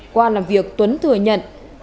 qua làm việc tuấn thừa nhận